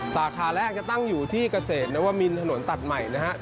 สาขาแรกจะตั้งอยู่ที่เกษตรนวมินถนนตัดใหม่นะฮะ